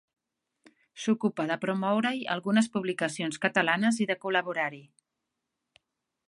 S'ocupa de promoure-hi algunes publicacions catalanes i de col·laborar-hi.